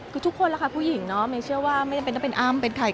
ก็ทุกคนล่ะค่ะผู้หญิงเนาะไม่เชื่อว่าไม่ได้เป็นอ้ำเป็นใคร